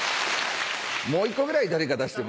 もう１個ぐらい誰か出して。